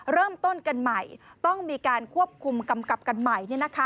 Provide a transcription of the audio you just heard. เริ่มต้นกันใหม่ต้องมีการควบคุมกำกับกันใหม่